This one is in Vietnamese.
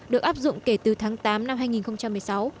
được áp dụng kể từ tháng tám năm hai nghìn một mươi sáu